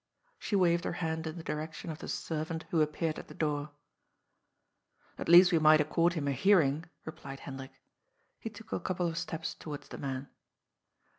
She waved her hand in the direction of the servant who appeared at the door. WHY NOT! 241 " At least we might accord him a hearing,'' replied Hen drik. He took a couple of steps towards the man.